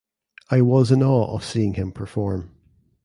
I was in awe of seeing him perform.